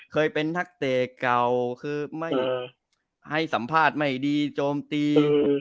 เคยเป็นนักเตะเก่าคือไม่ให้สัมภาษณ์ไม่ดีโจมตี